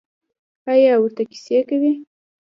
ایا ورته کیسې کوئ؟